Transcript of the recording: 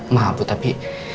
maaf bu tapi